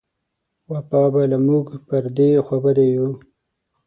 وفا به له موږ پر دې خوابدۍ و.